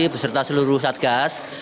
beserta seluruh satgas